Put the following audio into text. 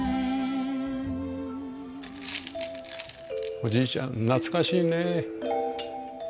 おじいちゃん懐かしいね。